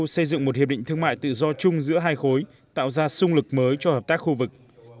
xây dựng một hiệp định thương mại tự do chung giữa hai khối tạo ra sung lực mới cho hợp tác khu vực